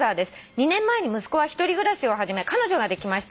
「２年前に息子は１人暮らしを始め彼女ができました」